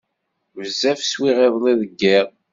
Bezzaf swiɣ iḍelli deg yiḍ.